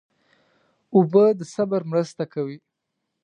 اوبه د صبر مرسته کوي.